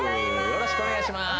よろしくお願いします